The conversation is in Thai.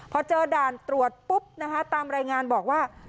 พอเจอด่านตรวจปุ๊บนะคะตามรายงานบอกว่า